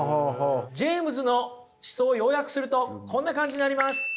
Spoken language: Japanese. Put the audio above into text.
ジェイムズの思想を要約するとこんな感じになります。